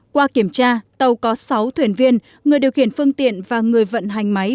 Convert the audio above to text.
qua kiểm tra tàu có sáu thuyền viên người điều khiển phương tiện và người vận hành máy